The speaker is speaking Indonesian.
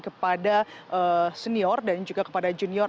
kepada senior dan juga kepada junior